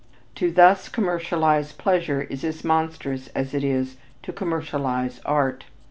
To thus commercialize pleasure is as monstrous as it is to commercialize art.